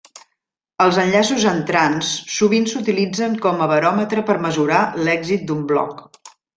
Els enllaços entrants sovint s’utilitzen com a baròmetre per mesurar l’èxit d’un blog.